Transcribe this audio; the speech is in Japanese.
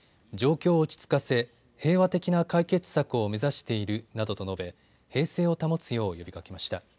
状況を落ち着かせ平和的な解決策を目指しているなどと述べ平静を保つよう呼びかけました。